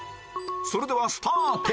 それではスタート！